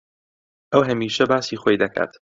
ئەو ھەمیشە باسی خۆی دەکات.